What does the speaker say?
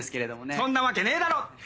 そんなわけねえだろ！